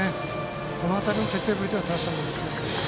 この辺りの徹底ぶりはたいしたものです。